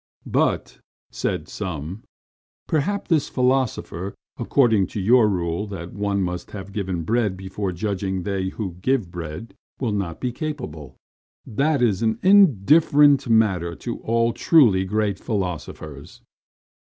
"But," said some, "mayhap this philosopher, according to your rule that one must have given bread before judging they who give bread, will not be capable." "That is an indifferent matter to all truly great philosophers."